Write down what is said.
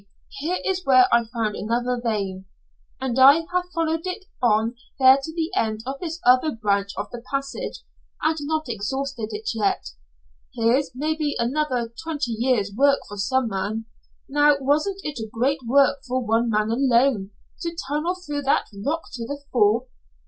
Here is where I found another vein, and I have followed it on there to the end of this other branch of the passage, and not exhausted it yet. Here's maybe another twenty years' work for some man. Now, wasn't it a great work for one man alone, to tunnel through that rock to the fall?